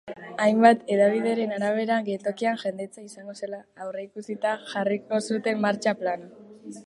Hainbat hedabideren arabera, geltokian jendetza izango zela aurreikusita jarriko zuten martxa plana.